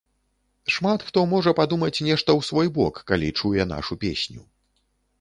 Шмат хто можа падумаць нешта ў свой бок, калі чуе нашу песню.